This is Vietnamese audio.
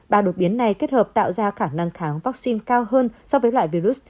ba đột biến này kết hợp tạo ra khả năng kháng vaccine cao hơn so với loại virus